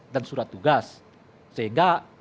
dan surat tugas sehingga